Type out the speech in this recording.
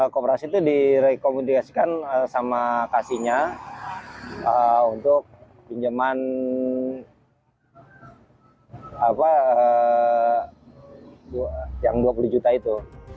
kooperasi itu direkomendasikan sama kasihnya untuk pinjaman yang dua puluh juta itu